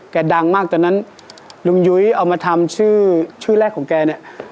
ดังมากตอนนั้นลุงยุ้ยเอามาทำชื่อชื่อแรกของแกเนี่ย